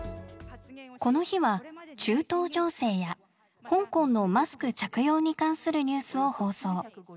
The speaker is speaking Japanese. この日は中東情勢や香港のマスク着用に関するニュースを放送。